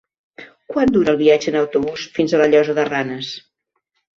Quant dura el viatge en autobús fins a la Llosa de Ranes?